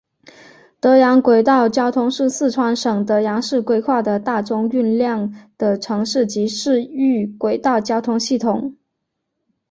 德阳轨道交通是四川省德阳市规划的大中运量的城市及市域轨道交通系统。